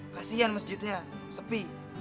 kasihan masjidnya sepi